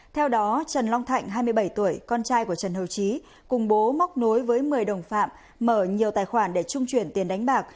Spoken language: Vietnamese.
theo đó trần long thạnh hai mươi bảy tuổi con trai của trần hầu trí cùng bố móc nối với một mươi đồng phạm mở nhiều tài khoản để trung chuyển tiền đánh bạc